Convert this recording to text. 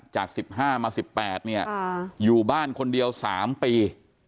จาก๑๕มา๑๘เนี่ยอยู่บ้านคนเดียว๓ปี